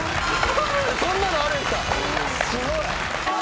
そんなのあるんすか⁉すごい！